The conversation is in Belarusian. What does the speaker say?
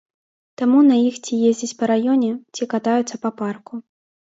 Таму на іх ці ездзяць па раёне, ці катаюцца па парку.